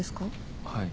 はい。